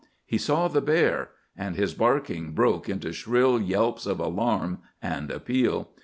He saw the bear, and his barking broke into shrill yelps of alarm and appeal.